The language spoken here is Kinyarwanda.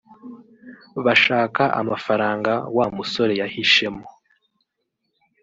bashaka amafaranga wa musore yahishemo